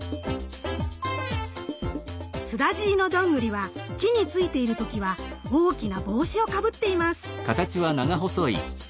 スダジイのどんぐりは木についている時は大きな帽子をかぶっています。